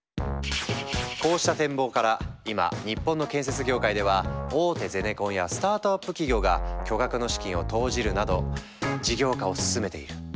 こうした展望から今日本の建設業界では大手ゼネコンやスタートアップ企業が巨額の資金を投じるなど事業化を進めている。